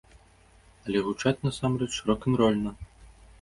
Але гучаць насамрэч рок-н-рольна!